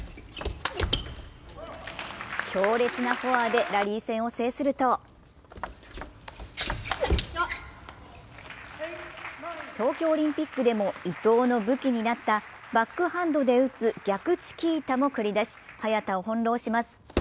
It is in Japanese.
強烈なフォアでラリー戦を制すると、東京オリンピックでも伊藤の武器になったバックハンドで打つ逆チキータも繰り出し、早田を翻弄します。